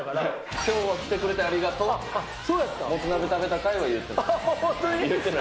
きょうは来てくれてありがとうって。